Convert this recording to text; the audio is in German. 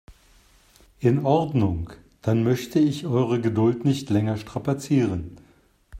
In Ordnung, dann möchte ich eure Geduld nicht länger strapazieren.